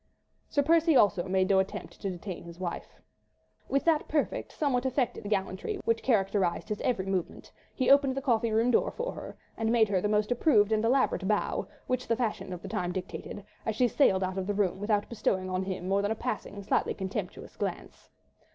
Sir Percy also made no attempt to detain his wife. With that perfect, somewhat affected gallantry which characterised his every movement, he opened the coffee room door for her, and made her the most approved and elaborate bow, which the fashion of the time dictated, as she sailed out of the room without bestowing on him more than a passing, slightly contemptuous glance.